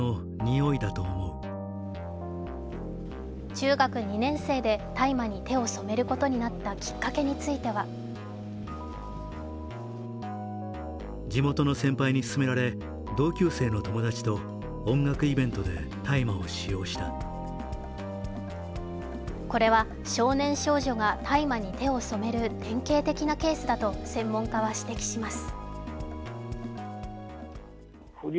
中学２年生で大麻に手を染めることになったきっかけについてはこれは、少年少女が大麻に手を染める典型的なケースだと専門家は指摘します。